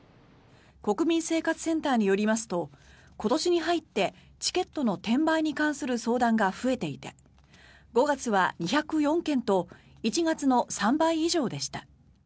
国民生活センターによりますと今年に入ってチケットの転売に関する相談が増えていて５月は２０４件と１月の３倍以上でした。